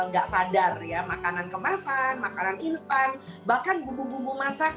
ya soalnya sup itu jarang banget dimanipulasi